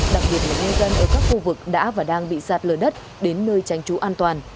đặc biệt là nhân dân ở các khu vực đã và đang bị sạt lở đất đến nơi tránh trú an toàn